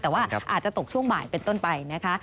แต่ว่าอาจจะตกช่วงบ่ายเป็นต้นไปนะคะ